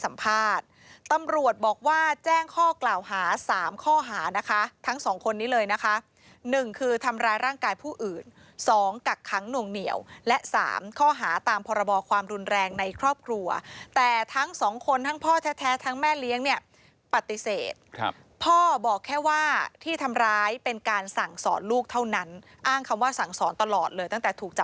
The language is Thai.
ตำรวจบอกว่าแจ้งข้อกล่าวหา๓ข้อหานะคะทั้งสองคนนี้เลยนะคะหนึ่งคือทำร้ายร่างกายผู้อื่น๒กักขังหน่วงเหนียวและสามข้อหาตามพรบความรุนแรงในครอบครัวแต่ทั้งสองคนทั้งพ่อแท้ทั้งแม่เลี้ยงเนี่ยปฏิเสธครับพ่อบอกแค่ว่าที่ทำร้ายเป็นการสั่งสอนลูกเท่านั้นอ้างคำว่าสั่งสอนตลอดเลยตั้งแต่ถูก